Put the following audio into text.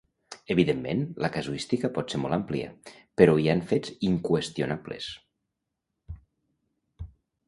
Evidentment, la casuística pot ser molt àmplia, però hi han fets inqüestionables.